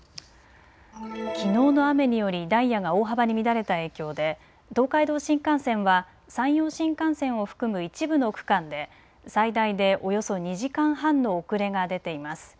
きのうの雨によりダイヤが大幅に乱れた影響で東海道新幹線は山陽新幹線を含む一部の区間で最大でおよそ２時間半の遅れが出ています。